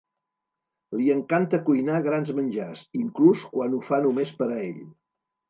Li encanta cuinar grans menjars, inclús quan ho fa només per a ell.